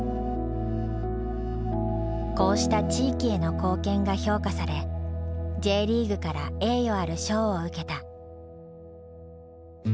こうした地域への貢献が評価されＪリーグから栄誉ある賞を受けた。